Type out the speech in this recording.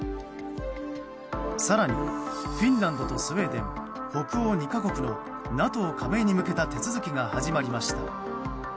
更にフィンランドとスウェーデン北欧２か国のＮＡＴＯ加盟に向けた手続きが始まりました。